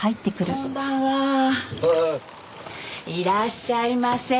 いらっしゃいませ。